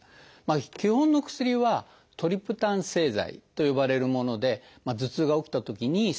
基本の薬は「トリプタン製剤」と呼ばれるもので頭痛が起きたときにすぐ使う。